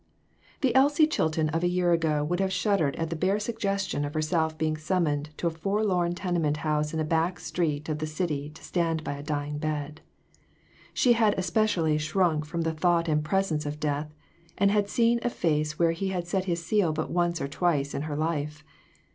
THE Elsie Chilton of a year ago would have shuddered at the bare suggestion of her self being summoned to a forlorn tenement house in a back street of the city to stand by a dying bed. She had especially shrunk from the thought and presence of death, and had seen a face where he had set his seal but once or twice in her life.